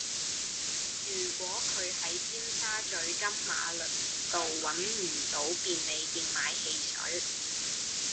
如果佢喺尖沙咀金馬倫道搵唔到便利店買汽水